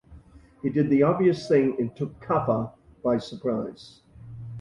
He did the obvious thing and took Kaffa by surprise.